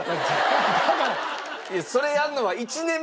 それやるのは。